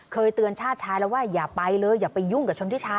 เคยเตือนชาติชายแล้วว่าอย่าไปเลยอย่าไปยุ่งกับชนทิชา